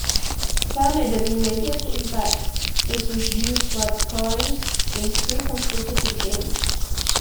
Cha made an immediate impact with his new club, scoring in three consecutive games.